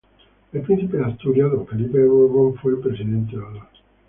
El Príncipe de Asturias, Don Felipe de Borbón fue el Presidente de Honor.